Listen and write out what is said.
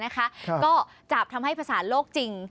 ก็จับทำให้ภาษาโลกจริง